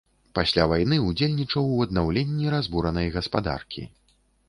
Пасля вайны ўдзельнічаў у аднаўленні разбуранай гаспадаркі.